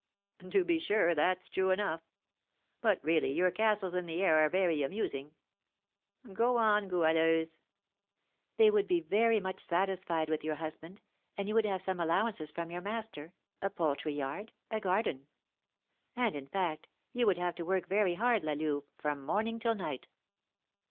"To be sure; that's true enough. But really your castles in the air are very amusing. Go on, Goualeuse." "They would be very much satisfied with your husband, and you would have some allowances from your master, a poultry yard, a garden; and, in fact, you would have to work very hard, La Louve, from morning till night."